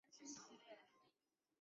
刺子莞属是莎草科下的一个属。